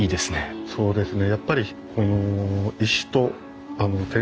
そうですね。